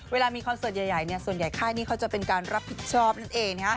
เวลามีคอนเสิร์ตใหญ่ส่วนใหญ่ค่ายนี้เขาจะเป็นการรับผิดชอบนั่นเอง